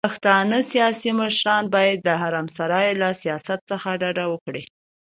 پښتانه سياسي مشران بايد د حرم سرای له سياست څخه ډډه وکړي.